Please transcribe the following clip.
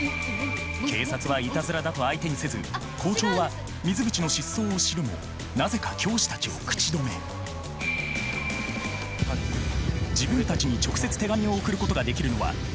警察はイタズラだと相手にせず校長は水口の失踪を知るもなぜか教師たちを口止め自分たちに直接手紙を送ることができるのは教師だけ。